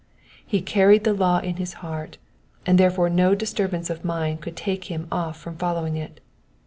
He carried the law in his heart, and therefore no disturbance of mind could take him off from following it.